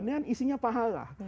ini kan isinya pahala